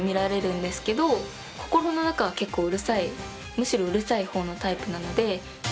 むしろうるさい方のタイプなので。